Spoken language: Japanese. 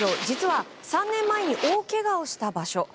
実は、３年前に大けがをした場所。